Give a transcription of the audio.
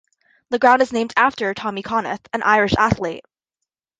The ground is named after Tommy Conneff, an Irish athlete.